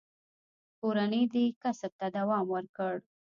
کورنۍ دې کسب ته دوام ورکړ.